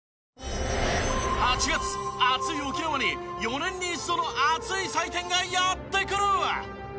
８月暑い沖縄に４年に一度の熱い祭典がやって来る！